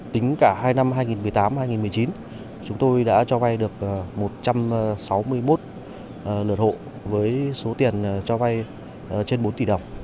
tính cả hai năm hai nghìn một mươi tám hai nghìn một mươi chín chúng tôi đã cho vay được một trăm sáu mươi một lượt hộ với số tiền cho vay trên bốn tỷ đồng